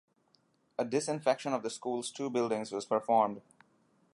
A disinfection of the school's two buildings was performed.